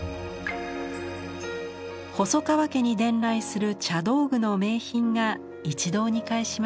細川家に伝来する茶道具の名品が一堂に会します。